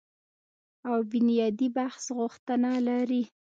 او بنیادي بحث غوښتنه لري